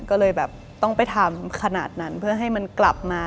ก็เลยแบบต้องไปทำขนาดนั้นเพื่อให้มันกลับมา